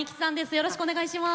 よろしくお願いします。